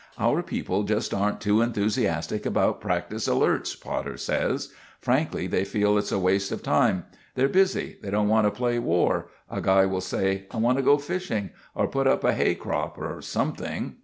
"Our people just aren't too enthusiastic about practice alerts," Potter says. "Frankly, they feel it's a waste of time. They're busy. They don't want to play war. A guy will say, 'I want to go fishing, or put up a hay crop, or something.